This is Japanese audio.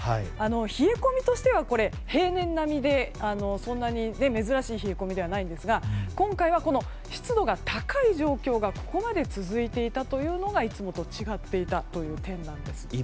冷え込みとしては平年並みでそんなに珍しい冷え込みではないんですが今回は湿度が高い状況がここまで続いていたというのがいつもと違っていたという点なんです。